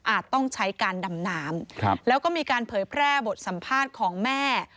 ต้องใช้การดำน้ำแล้วก็มีการเผยแพร่บทสัมภาษณ์ของแม่